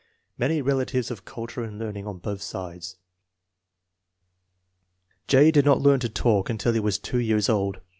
Many relatives of culture and learning on both sides. J. did not learn to talk until he was 2 years old.